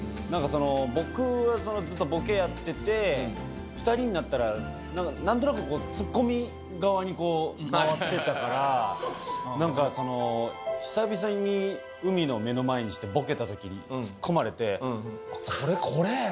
僕はずっとボケやってて２人になったらなんとなくこうツッコミ側に回ってたから久々に海野を目の前にしてボケた時にツッコまれて。